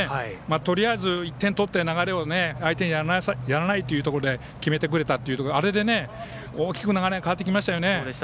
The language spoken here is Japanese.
とりあえず１点取って、流れを相手にやらないというところで決めてくれたというあれで大きく流れが変わりました。